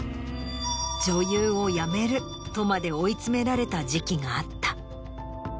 女優を辞めるとまで追い詰められた時期があった。